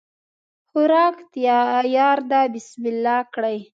خوراک تیار ده بسم الله کړی